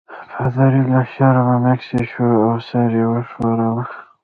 پادري له شرمه مسکی شو او سر یې وښوراوه.